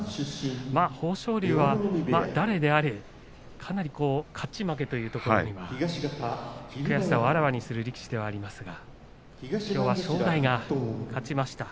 豊昇龍は誰であれかなり勝ち負けというところでは悔しさをあらわにする力士ではありますがきょうは正代が勝ちました。